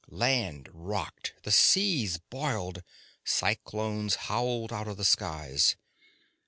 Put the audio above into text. Land rocked, the seas boiled, cyclones howled out of the skies.